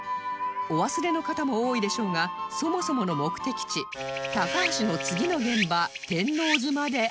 お忘れの方も多いでしょうがそもそもの目的地高橋の次の現場天王洲まであとわずか